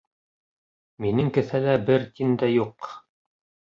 Минең кеҫәлә бер тин дә юҡ.